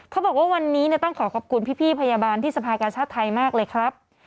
เขาบอกว่าวันนี้ต้องขอขอบคุณพี่พยาบาลที่สภากาชาติไทยมากเลยครับ